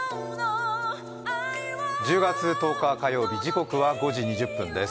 １０月１０日火曜日、時刻は５時２０分です。